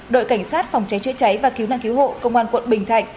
đội cảnh sát phòng cháy chữa cháy và cứu nạn cứu hộ công an quận bình thạnh